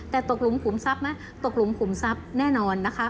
แต่ตกหลุมขุมทรัพย์นะตกหลุมขุมทรัพย์แน่นอนนะคะ